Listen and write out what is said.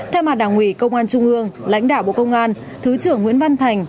theo mặt đảng ủy công an trung ương lãnh đạo bộ công an thứ trưởng nguyễn văn thành